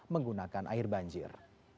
menggunakan air banjir